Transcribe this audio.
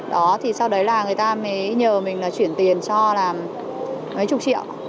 đó thì sau đấy là người ta mới nhờ mình là chuyển tiền cho là mấy chục triệu